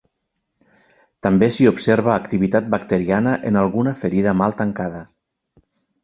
També s'hi observa activitat bacteriana en alguna ferida mal tancada.